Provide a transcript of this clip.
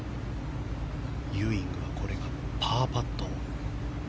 ユーイングはパーパット。